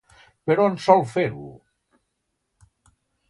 Per on sol fer-ho?